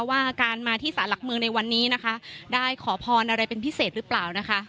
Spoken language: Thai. ว่าการมาที่สารหลักเมืองในวันนี้นะคะได้ขอพรอะไรเป็นพิเศษหรือเปล่านะคะ